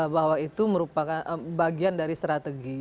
bahwa itu merupakan bagian dari strategi